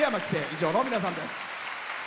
以上の皆さんです。